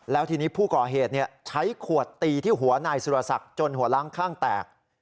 แล้วทีนี้ผู้ก่อเหตุใช้ขวดตีที่หัวนายสุรศักดิ์จนหัวล้างข้างแตก